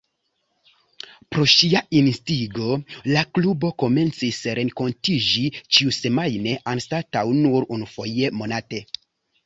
Pro ŝia instigo la klubo komencis renkontiĝi ĉiusemajne anstataŭ nur unufoje monate.